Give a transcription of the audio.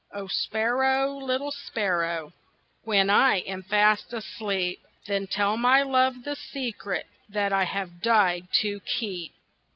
O sparrow, little sparrow, When I am fast asleep, Then tell my love the secret That I have died to keep.